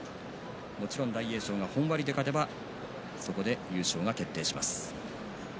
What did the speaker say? もちろん大栄翔が本割で勝てばそこで優勝が決定します。